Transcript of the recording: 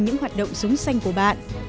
những hoạt động súng xanh của bạn